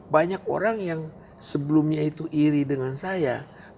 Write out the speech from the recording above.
banyak orang yang sebelumnya itu iri dengan saya